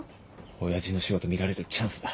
親父の仕事見られるチャンスだ。